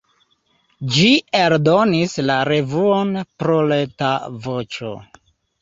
Ĝi eldonis la revuon "Proleta Voĉo".